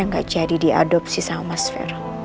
enggak jadi diadopsi sama mas ferung